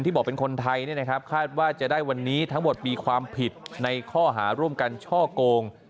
บอกเป็นคนไทยคาดว่าจะได้วันนี้ทั้งหมดมีความผิดในข้อหาร่วมกันช่อโกง